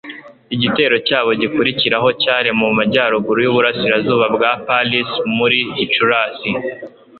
Igitero cyabo gikurikiraho cyari mu majyaruguru y'uburasirazuba bwa Paris muri Gicurasi.